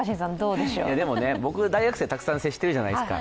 でもね、僕大学生たくさん接してるじゃないですか。